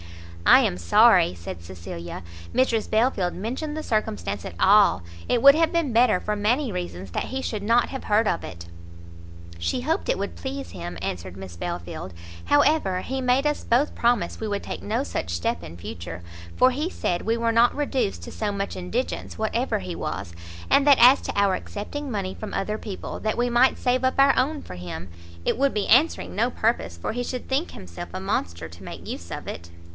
"I am sorry," said Cecilia, "Mrs Belfield mentioned the circumstance at all; it would have been better, for many reasons, that he should not have heard of it." "She hoped it would please him," answered Miss Belfield, "however, he made us both promise we would take no such step in future, for he said we were not reduced to so much indigence, whatever he was; and that as to our accepting money from other people, that we might save up our own for him, it would be answering no purpose, for he should think himself a monster to make use of it."